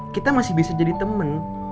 kita masih bisa jadi teman